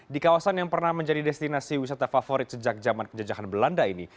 di kawasan yang pernah menjadi destinasi wisata favorit sejak zaman penjajahan belanda ini